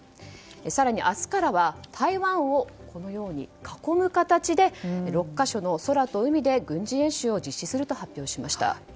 更に明日からは台湾をこのように囲む形で６か所の空と海で軍事演習を実施すると発表しました。